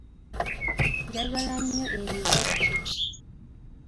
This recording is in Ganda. Njagala nnyo ebibajje.